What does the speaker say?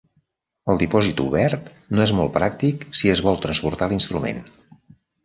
El dipòsit obert no és molt pràctic si es vol transportar l'instrument.